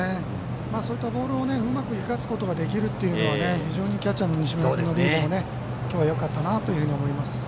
そういったボールをうまく生かすことができるというのはキャッチャーの西村君のリードが今日はよかったなと思います。